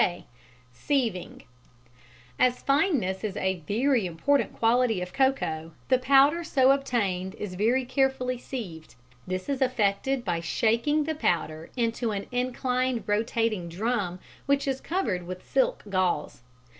(k) Sieving. As fineness is a very important quality of cocoa, the powder so obtained is very carefully sieved. This is effected by shaking the powder into an inclined rotating drum which is covered with silk gauze.